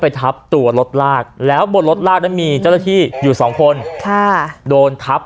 ทับตัวรถลากแล้วบนรถลากนั้นมีเจ้าหน้าที่อยู่สองคนค่ะโดนทับ